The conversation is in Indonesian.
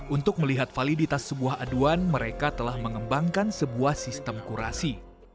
untuk melihat validitas sebuah aduan mereka telah mengembangkan sebuah sistem kurasi